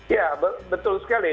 ya betul sekali